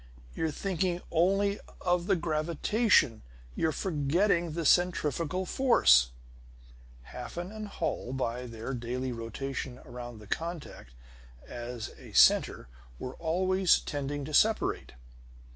You're thinking only of the gravitation; you're forgetting the centrifugal force." Hafen and Holl, by their daily rotation around the contact as a center were always tending to separate.